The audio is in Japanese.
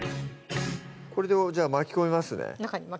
これでじゃあ巻き込みますね